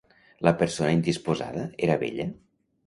La persona indisposada era vella?